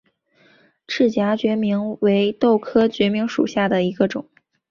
翅荚决明为豆科决明属下的一个种。